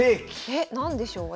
えっ何でしょう。